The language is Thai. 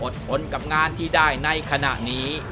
ทนกับงานที่ได้ในขณะนี้